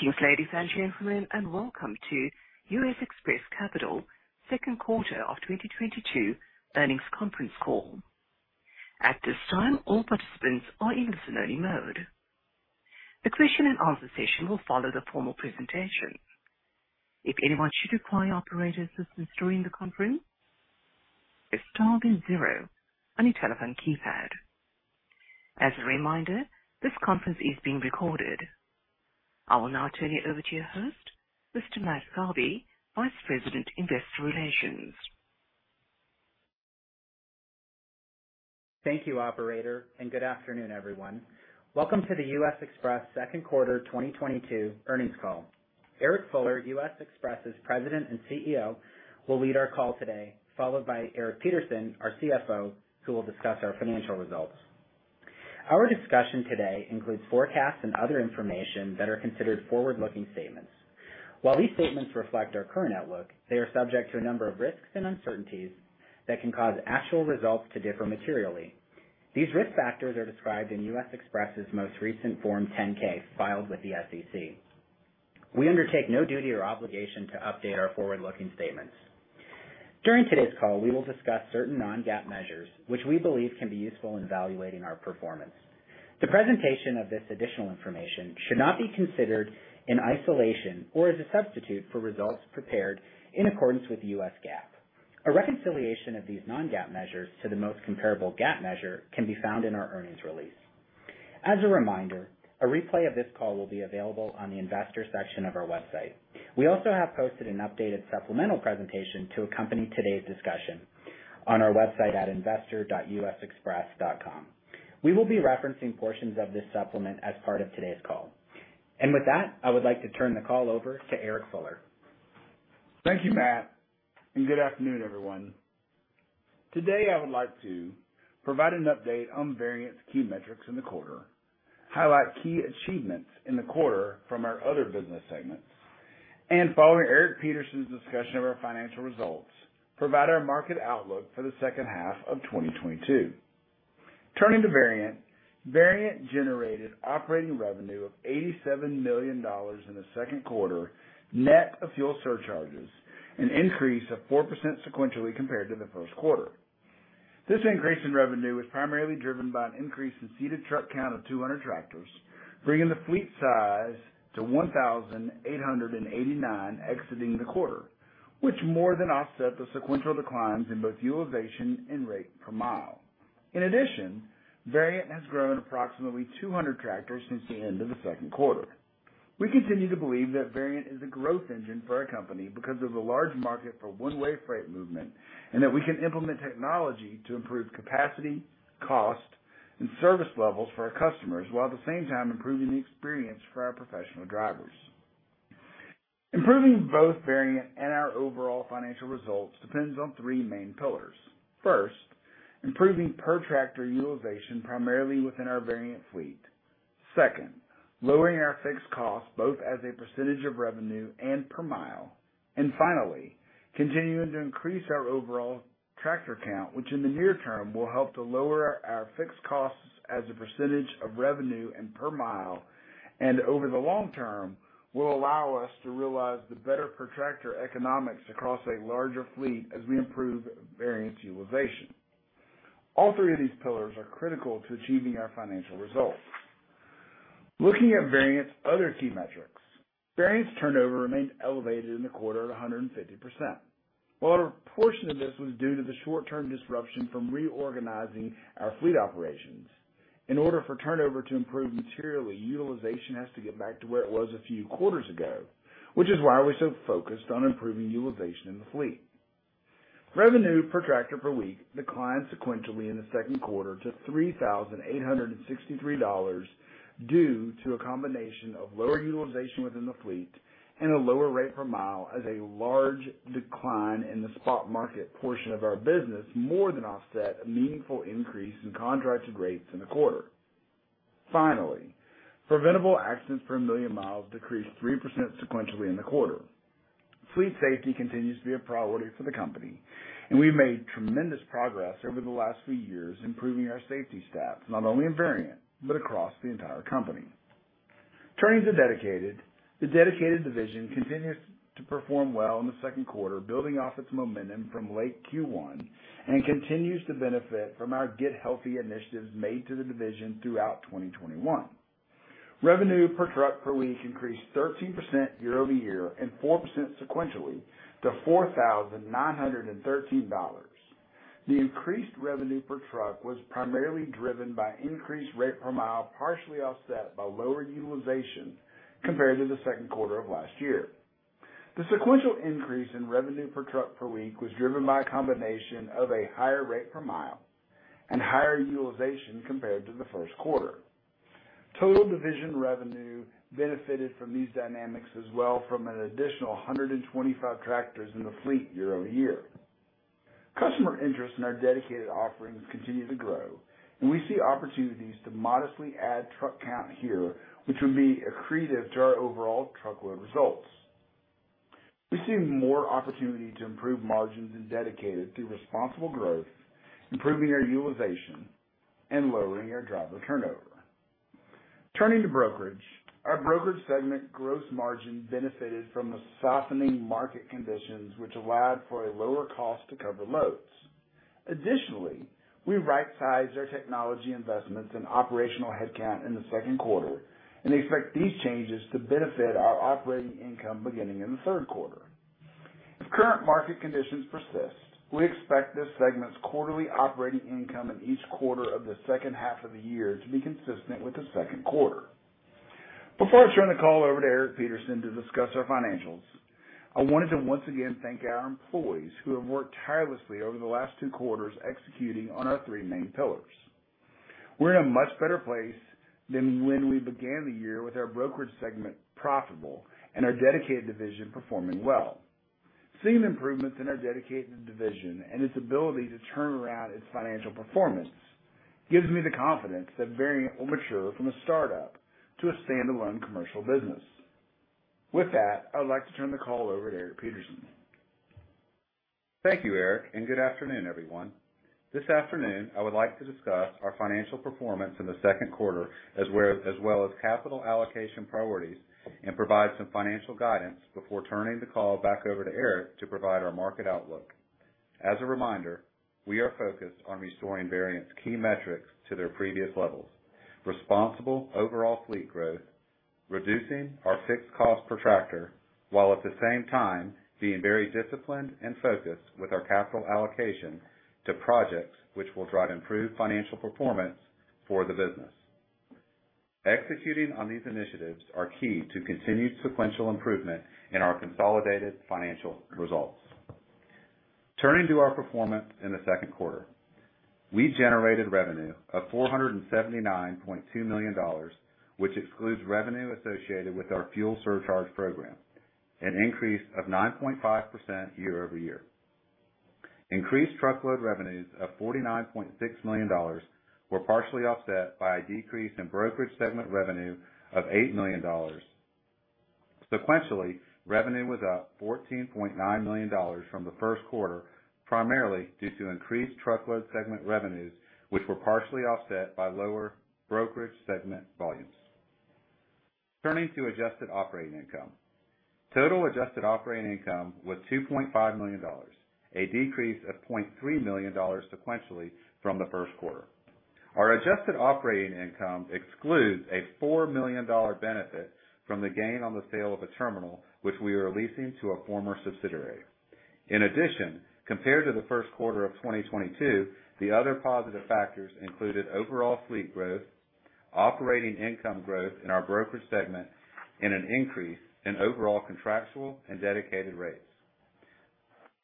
Dear ladies and gentlemen, welcome to U.S. Xpress Enterprises' second quarter of 2022 earnings conference call. At this time, all participants are in listen-only mode. The question and answer session will follow the formal presentation. If anyone should require operator assistance during the conference, press star then zero on your telephone keypad. As a reminder, this conference is being recorded. I will now turn it over to your host, Mr. Matt Garvie, Vice President, Investor Relations. Thank you, operator, and good afternoon, everyone. Welcome to the U.S. Xpress second quarter 2022 earnings call. Eric Fuller, U.S. Xpress's President and CEO, will lead our call today, followed by Eric Peterson, our CFO, who will discuss our financial results. Our discussion today includes forecasts and other information that are considered forward-looking statements. While these statements reflect our current outlook, they are subject to a number of risks and uncertainties that can cause actual results to differ materially. These risk factors are described in U.S. Xpress's most recent Form 10-K filed with the SEC. We undertake no duty or obligation to update our forward-looking statements. During today's call, we will discuss certain non-GAAP measures which we believe can be useful in evaluating our performance. The presentation of this additional information should not be considered in isolation or as a substitute for results prepared in accordance with U.S. GAAP. A reconciliation of these non-GAAP measures to the most comparable GAAP measure can be found in our earnings release. As a reminder, a replay of this call will be available on the investor section of our website. We also have posted an updated supplemental presentation to accompany today's discussion on our website at investor.usxpress.com. We will be referencing portions of this supplement as part of today's call. With that, I would like to turn the call over to Eric Fuller. Thank you, Matt, and good afternoon, everyone. Today, I would like to provide an update on Variant's key metrics in the quarter, highlight key achievements in the quarter from our other business segments, and following Eric Peterson's discussion of our financial results, provide our market outlook for the second half of 2022. Turning to Variant. Variant generated operating revenue of $87 million in the second quarter net of fuel surcharges, an increase of 4% sequentially compared to the first quarter. This increase in revenue was primarily driven by an increase in seated truck count of 200 tractors, bringing the fleet size to 1,889 exiting the quarter, which more than offset the sequential declines in both utilization and rate per mile. In addition, Variant has grown approximately 200 tractors since the end of the second quarter. We continue to believe that Variant is a growth engine for our company because there's a large market for one-way freight movement, and that we can implement technology to improve capacity, cost, and service levels for our customers, while at the same time improving the experience for our professional drivers. Improving both Variant and our overall financial results depends on three main pillars. First, improving per tractor utilization primarily within our Variant fleet. Second, lowering our fixed cost both as a percentage of revenue and per mile. Finally, continuing to increase our overall tractor count, which in the near term will help to lower our fixed costs as a percentage of revenue and per mile, and over the long term, will allow us to realize the better per tractor economics across a larger fleet as we improve Variant utilization. All three of these pillars are critical to achieving our financial results. Looking at Variant's other key metrics. Variant's turnover remained elevated in the quarter at 150%. While a portion of this was due to the short term disruption from reorganizing our fleet operations. In order for turnover to improve materially, utilization has to get back to where it was a few quarters ago, which is why we're so focused on improving utilization in the fleet. Revenue per tractor per week declined sequentially in the second quarter to $3,863 due to a combination of lower utilization within the fleet and a lower rate per mile as a large decline in the spot market portion of our business more than offset a meaningful increase in contracted rates in the quarter. Finally, preventable accidents per 1 million mi decreased 3% sequentially in the quarter. Fleet safety continues to be a priority for the company, and we've made tremendous progress over the last few years improving our safety stats, not only in Variant, but across the entire company. Turning to Dedicated. The Dedicated division continues to perform well in the second quarter, building off its momentum from late Q1 and continues to benefit from our Get Healthy initiatives made to the division throughout 2021. Revenue per truck per week increased 13% year-over-year and 4% sequentially to $4,913. The increased revenue per truck was primarily driven by increased rate per mile, partially offset by lower utilization compared to the second quarter of last year. The sequential increase in revenue per truck per week was driven by a combination of a higher rate per mile and higher utilization compared to the first quarter. Total division revenue benefited from these dynamics as well from an additional 125 tractors in the fleet year-over-year. Customer interest in our Dedicated offerings continue to grow, and we see opportunities to modestly add truck count here, which would be accretive to our overall truckload results. We see more opportunity to improve margins in Dedicated through responsible growth, improving our utilization, and lowering our driver turnover. Turning to Brokerage. Our Brokerage segment gross margin benefited from the softening market conditions, which allowed for a lower cost to cover loads. Additionally, we right sized our technology investments and operational headcount in the second quarter, and expect these changes to benefit our operating income beginning in the third quarter. If current market conditions persist, we expect this segment's quarterly operating income in each quarter of the second half of the year to be consistent with the second quarter. Before I turn the call over to Eric Peterson to discuss our financials, I wanted to once again thank our employees who have worked tirelessly over the last two quarters executing on our three main pillars. We're in a much better place than when we began the year with our Brokerage segment profitable and our Dedicated division performing well. Seeing improvements in our Dedicated division and its ability to turn around its financial performance gives me the confidence that Variant will mature from a startup to a standalone commercial business. With that, I would like to turn the call over to Eric Peterson. Thank you, Eric, and good afternoon, everyone. This afternoon, I would like to discuss our financial performance in the second quarter, as well as capital allocation priorities, and provide some financial guidance before turning the call back over to Eric to provide our market outlook. As a reminder, we are focused on restoring Variant's key metrics to their previous levels, responsible overall fleet growth, reducing our fixed cost per tractor, while at the same time being very disciplined and focused with our capital allocation to projects which will drive improved financial performance for the business. Executing on these initiatives are key to continued sequential improvement in our consolidated financial results. Turning to our performance in the second quarter. We generated revenue of $479.2 million, which excludes revenue associated with our fuel surcharge program, an increase of 9.5% year-over-year. Increased truckload revenues of $49.6 million were partially offset by a decrease in Brokerage segment revenue of $8 million. Sequentially, revenue was up $14.9 million from the first quarter, primarily due to increased truckload segment revenues, which were partially offset by lower Brokerage segment volumes. Turning to adjusted operating income. Total adjusted operating income was $2.5 million, a decrease of $0.3 million sequentially from the first quarter. Our adjusted operating income excludes a $4 million benefit from the gain on the sale of a terminal, which we are leasing to a former subsidiary. In addition, compared to the first quarter of 2022, the other positive factors included overall fleet growth, operating income growth in our Brokerage segment, and an increase in overall contractual and dedicated rates.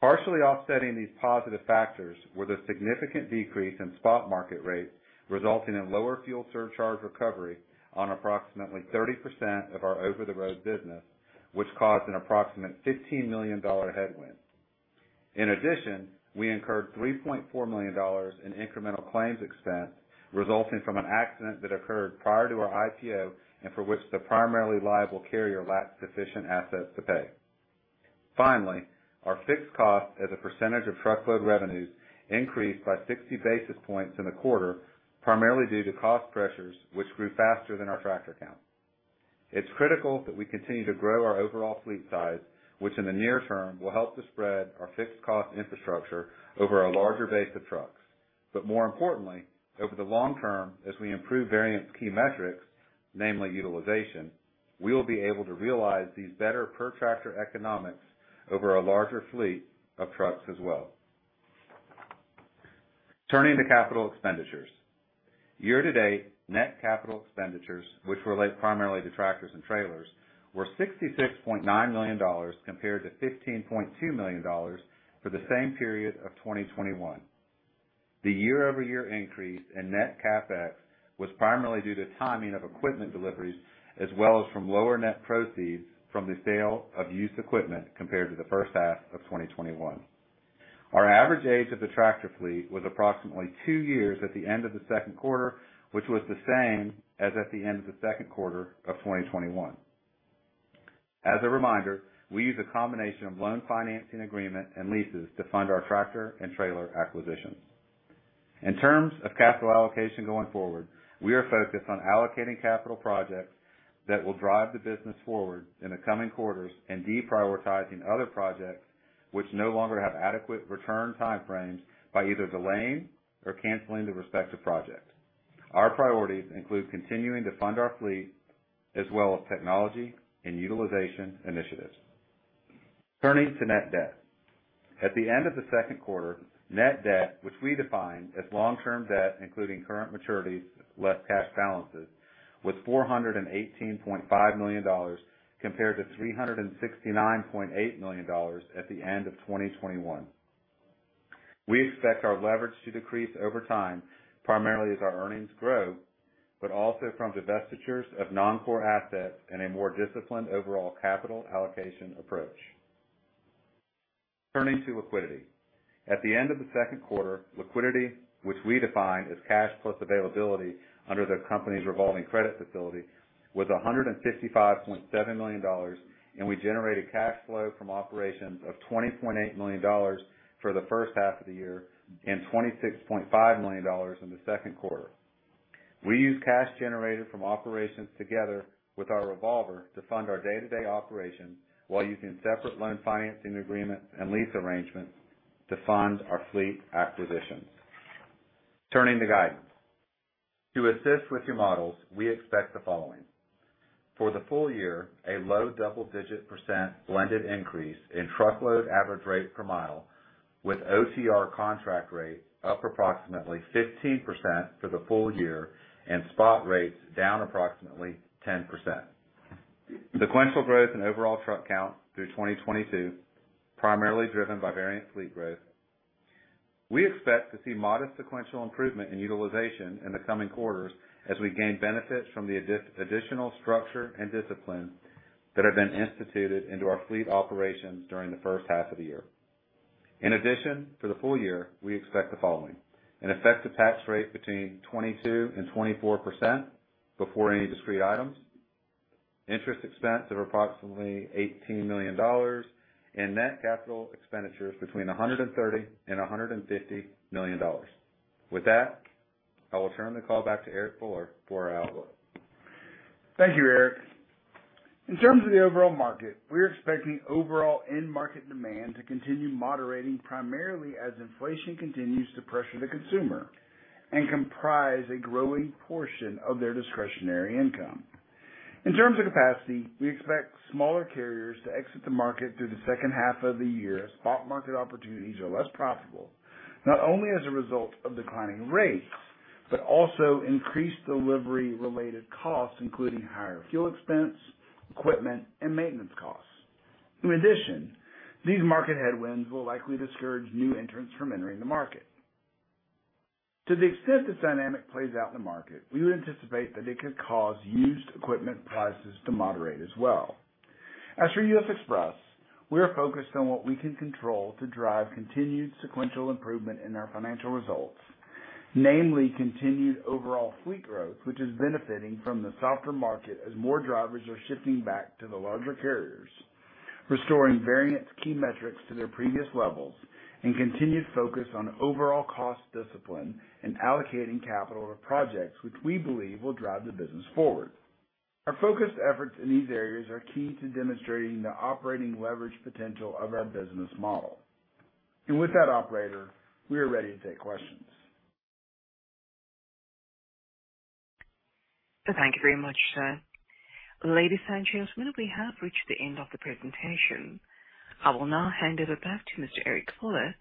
Partially offsetting these positive factors was a significant decrease in spot market rates, resulting in lower fuel surcharge recovery on approximately 30% of our over-the-road business, which caused an approximate $15 million headwind. In addition, we incurred $3.4 million in incremental claims expense resulting from an accident that occurred prior to our IPO and for which the primarily liable carrier lacks sufficient assets to pay. Finally, our fixed cost as a percentage of truckload revenues increased by 60 basis points in the quarter, primarily due to cost pressures which grew faster than our tractor count. It's critical that we continue to grow our overall fleet size, which in the near term will help to spread our fixed cost infrastructure over a larger base of trucks. More importantly, over the long term, as we improve Variant's key metrics, namely utilization, we will be able to realize these better per tractor economics over a larger fleet of trucks as well. Turning to capital expenditures. Year-to-date, net capital expenditures, which relate primarily to tractors and trailers, were $66.9 million compared to $15.2 million for the same period of 2021. The year-over-year increase in net CapEx was primarily due to timing of equipment deliveries, as well as from lower net proceeds from the sale of used equipment compared to the first half of 2021. Our average age of the tractor fleet was approximately two years at the end of the second quarter, which was the same as at the end of the second quarter of 2021. As a reminder, we use a combination of loan financing agreement and leases to fund our tractor and trailer acquisitions. In terms of capital allocation going forward, we are focused on allocating capital projects that will drive the business forward in the coming quarters and deprioritizing other projects which no longer have adequate return time frames by either delaying or canceling the respective project. Our priorities include continuing to fund our fleet as well as technology and utilization initiatives. Turning to net debt. At the end of the second quarter, net debt, which we define as long-term debt, including current maturities less cash balances, was $418.5 million compared to $369.8 million at the end of 2021. We expect our leverage to decrease over time, primarily as our earnings grow, but also from divestitures of non-core assets and a more disciplined overall capital allocation approach. Turning to liquidity. At the end of the second quarter, liquidity, which we define as cash plus availability under the company's revolving credit facility, was $155.7 million, and we generated cash flow from operations of $20.8 million for the first half of the year and $26.5 million in the second quarter. We use cash generated from operations together with our revolver to fund our day-to-day operations while using separate loan financing agreement and lease arrangements to fund our fleet acquisitions. Turning to Guidance. To assist with your models, we expect the following. For the full year, a low double-digit % blended increase in truckload average rate per mile with OTR contract rate up approximately 15% for the full year and spot rates down approximately 10%. Sequential growth in overall truck count through 2022, primarily driven by Variant fleet growth. We expect to see modest sequential improvement in utilization in the coming quarters as we gain benefits from the additional structure and discipline that have been instituted into our fleet operations during the first half of the year. In addition, for the full year, we expect the following. An effective tax rate between 22%-24% before any discrete items, interest expense of approximately $18 million, and net capital expenditures between $130 million-$150 million. With that, I will turn the call back to Eric Fuller for our outlook. Thank you, Eric. In terms of the overall market, we're expecting overall end market demand to continue moderating primarily as inflation continues to pressure the consumer and comprise a growing portion of their discretionary income. In terms of capacity, we expect smaller carriers to exit the market through the second half of the year as spot market opportunities are less profitable, not only as a result of declining rates, but also increased delivery-related costs, including higher fuel expense, equipment, and maintenance costs. In addition, these market headwinds will likely discourage new entrants from entering the market. To the extent this dynamic plays out in the market, we would anticipate that it could cause used equipment prices to moderate as well. As for U.S. Xpress, we are focused on what we can control to drive continued sequential improvement in our financial results. Namely, continued overall fleet growth, which is benefiting from the softer market as more drivers are shifting back to the larger carriers, restoring Variant's key metrics to their previous levels, and continued focus on overall cost discipline and allocating capital to projects which we believe will drive the business forward. Our focused efforts in these areas are key to demonstrating the operating leverage potential of our business model. With that, operator, we are ready to take questions. Thank you very much, sir. Ladies and gentlemen, we have reached the end of the presentation. I will now hand it back to Mr. Eric Fuller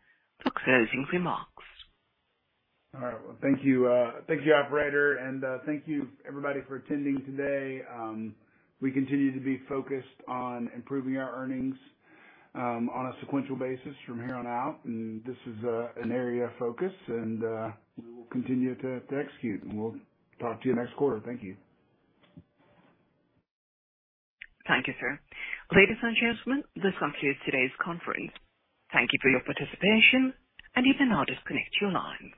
for closing remarks. All right. Well, thank you, thank you, operator, and, thank you everybody for attending today. We continue to be focused on improving our earnings, on a sequential basis from here on out. This is an area of focus, and we will continue to execute. We'll talk to you next quarter. Thank you. Thank you, sir. Ladies and gentlemen, this concludes today's conference. Thank you for your participation, and you can now disconnect your lines.